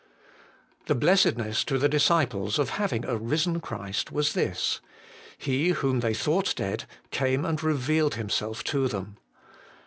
2. The blessedness to the disciples of having a Risen Christ was this : He, whom they thought dead, came and revealed Himself to them.